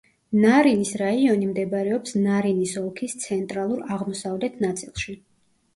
ნარინის რაიონი მდებარეობს ნარინის ოლქის ცენტრალურ-აღმოსავლეთ ნაწილში.